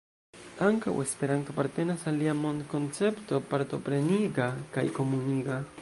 Ankaŭ Esperanto apartenas al lia mondkoncepto partopreniga kaj komuniga.